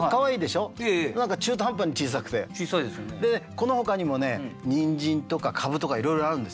このほかにもねニンジンとかカブとかいろいろあるんですよ。